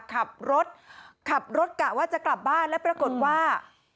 ขับรถขับรถกะว่าจะกลับบ้านแล้วปรากฏว่า